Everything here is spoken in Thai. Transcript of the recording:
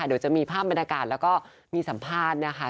เดี๋ยวจะมีภาพบรรยากาศแล้วก็มีสัมภาษณ์นะคะ